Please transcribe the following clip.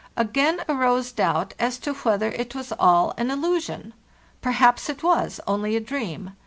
Again arose doubt as to whether it was all an illusion. Per haps it was only adream.